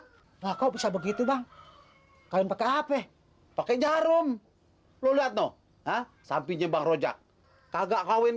hai maka bisa begitu bang kalian pakai hp pakai jarum luat noh sampingnya bang rojak kagak kawin